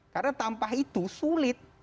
karena tanpa itu sulit